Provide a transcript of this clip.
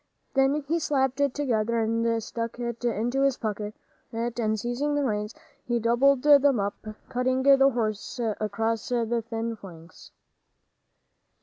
Then he slapped it together and stuck it into his pocket, and seizing the reins, he doubled them up, cutting the horse across the thin flanks.